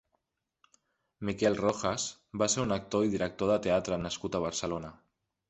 Miquel Rojas va ser un actor i director de teatre nascut a Barcelona.